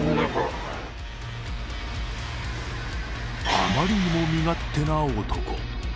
あまりにも身勝手な男。